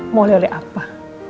mau oleh oleh apa